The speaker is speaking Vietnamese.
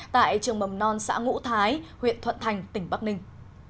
tại trường mầm non xã ngũ thái huyện thuận thành tỉnh bắc ninh